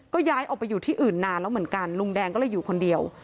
ก็ย้ายออกไปอยู่ที่อื่นนานแล้วเหมือนกันลุงแดงก็เลยอยู่คนเดียว